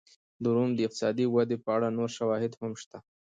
د روم د اقتصادي ودې په اړه نور شواهد هم شته